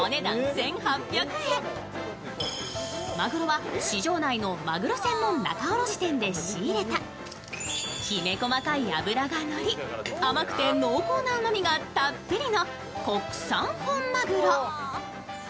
マグロは市場内のマグロ専門仲卸店で仕入れたきめ細かい脂がのり、甘くて濃厚なうまみがたっぷりの国産本マグロ。